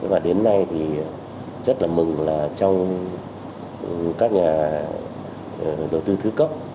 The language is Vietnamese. và đến nay thì rất là mừng là trong các nhà đầu tư thứ cấp